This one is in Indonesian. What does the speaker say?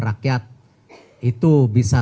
rakyat itu bisa